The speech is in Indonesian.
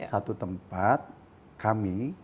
satu tempat kami